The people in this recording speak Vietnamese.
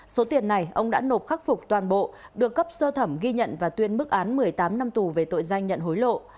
số tiền này ông đã nộp khắc phục toàn bộ được cấp sơ thẩm ghi nhận và tuyên bức án một mươi tám năm tù về tội danh nhận hối lộ